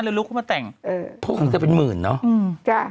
แล้วลุกเข้ามาแต่งเออพวกมันจะเป็นหมื่นเนอะอืมจ้ะ